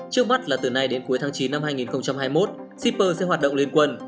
trước mắt là từ nay đến cuối tháng chín năm hai nghìn hai mươi một shipper sẽ hoạt động liên quân